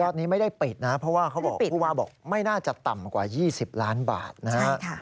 ยอดนี้ไม่ได้ปิดนะเพราะว่าเขาบอกไม่น่าจะต่ำกว่า๒๐ล้านบาทนะ